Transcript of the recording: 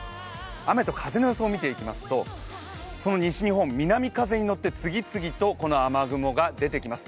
雨と風の予想を見ていきますと、その西日本南風に乗って雨雲が出てきます。